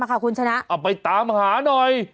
เอ้าไปตามหาหน่อย